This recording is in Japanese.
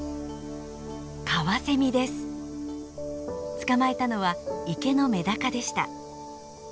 捕まえたのは池のメダカでした。